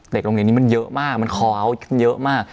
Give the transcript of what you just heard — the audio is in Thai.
เด็กโรงเรียนนี้มันเยอะมากมันคอลเยอะมาก